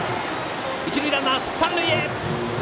一塁ランナー三塁へ。